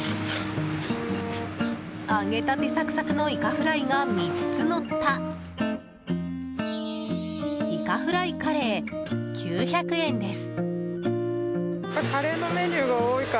揚げたてサクサクのイカフライが３つのったイカフライカレー、９００円です。